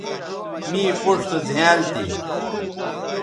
می پوڇ سو زھیائنل تھی